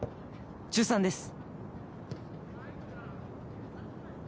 中３です。